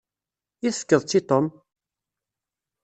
I tefkeḍ-tt i Tom?